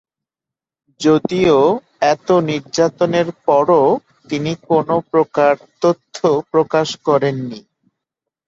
যদিও এতো নির্যাতনের পরও তিনি কোন প্রকার তথ্য প্রকাশ করেননি।